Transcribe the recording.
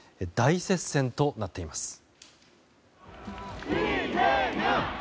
大接戦となっています。